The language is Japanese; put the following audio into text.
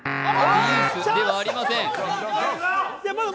リユースではありません。